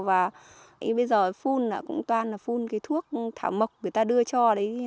bây giờ phun là phun thuốc thảo mộc người ta đưa cho